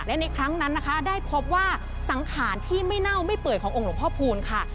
และในครั้งนั้นนะคะได้พบว่าสังขารที่ไม่เน่าไม่เปื่อยขององค์หลวงพ่อพูนค่ะ